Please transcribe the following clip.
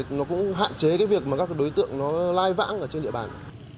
dân cũng biết và đối tượng nó cũng hạn chế cái việc mà các đối tượng nó lai vãng ở trên địa bàn